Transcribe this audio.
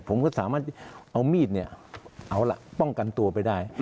ผมก็สามารถเอามีดเนี่ยเอาล่ะป้องกันตัวไปได้